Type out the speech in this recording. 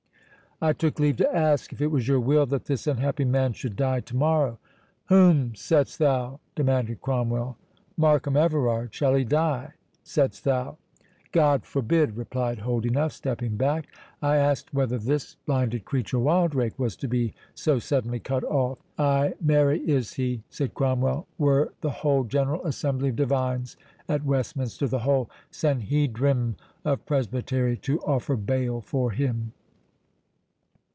"I took leave to ask, if it was your will that this unhappy man should die to morrow?" "Whom saidst thou?" demanded Cromwell: "Markham Everard—shall he die, saidst thou?" "God forbid!" replied Holdenough, stepping back—"I asked whether this blinded creature, Wildrake, was to be so suddenly cut off?" "Ay, marry is he," said Cromwell, "were the whole General Assembly of Divines at Westminster—the whole Sanhedrim of Presbytery—to offer bail for him."